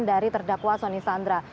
dari terdakwa soni sandra